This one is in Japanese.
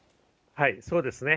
そうですね。